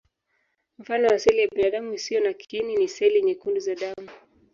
Mfano wa seli ya binadamu isiyo na kiini ni seli nyekundu za damu.